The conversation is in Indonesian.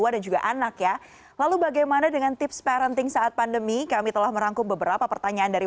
selamat sore mbak mbak fri